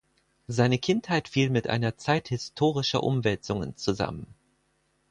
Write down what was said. Seine Kindheit fiel mit einer Zeit historischer Umwälzungen zusammen.